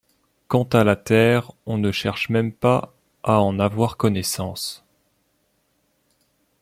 Quant à la terre, on ne cherche même pas à en avoir connaissance.